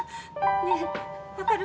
ねえわかる！？